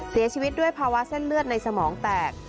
เสียชีวิตด้วยภาวะเส้นเลือดในสมองแตก